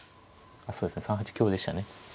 あっそうですね３八香でしたね。